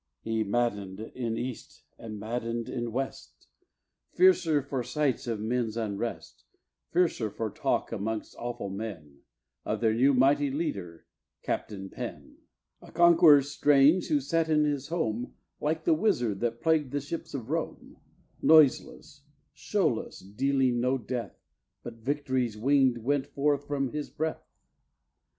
He madden'd in East, he madden'd in West, Fiercer for sights of men's unrest, Fiercer for talk, amongst awful men, Of their new mighty leader, Captain Pen, A conqueror strange, who sat in his home Like the wizard that plagued the ships of Rome, Noiseless, show less, dealing no death, But victories, winged, went forth from his breath.